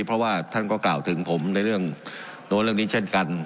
เพราะว่าท่านก็กล่าวถึงผมในเรื่องโน้นเรื่องนี้เช่นกัน